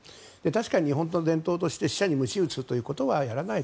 確かに日本の伝統として死者に鞭打つことはやらない。